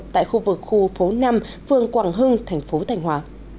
tại khu vực khu phố năm phường quảng hưng thành phố thành hóa